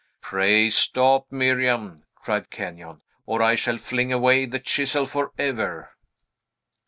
"Pray stop, Miriam," cried Kenyon, "or I shall fling away the chisel forever!"